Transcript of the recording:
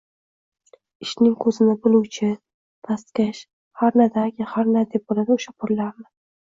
«ishning ko‘zini biluvchi» pastkash «Harna-da, aka, harna», deb oladi o‘sha pullarni...